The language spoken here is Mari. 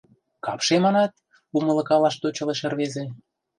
— Капше, манат? — умылкалаш тӧчылеш рвезе.